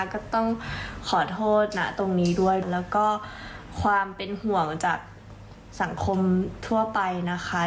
ก็ต้องขอโทษนะตรงนี้ด้วยแล้วก็ความเป็นห่วงจากสังคมทั่วไปนะคะ